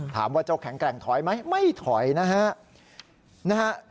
ถามว่าเจ้าแข็งแกร่งถอยไหมไม่ถอยนะฮะ